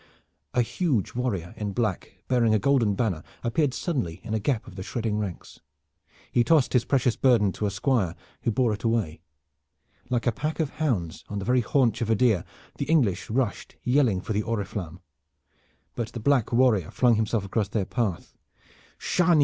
A huge warrior in black, bearing a golden banner, appeared suddenly in a gap of the shredding ranks. He tossed his precious burden to a squire, who bore it away. Like a pack of hounds on the very haunch of a deer the English rushed yelling for the oriflamme. But the black warrior flung himself across their path. "Chargny!